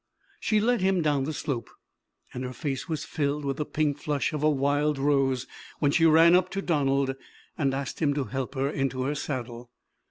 She led him down the slope, and her face was filled with the pink flush of a wild rose when she ran up to Donald, and asked him to help her into her saddle.